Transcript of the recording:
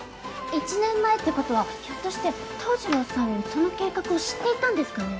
１年前ってことはひょっとして桃次郎さんもその計画を知っていたんですかね？